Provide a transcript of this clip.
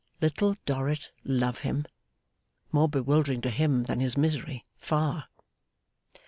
Little Dorrit love him! More bewildering to him than his misery, far.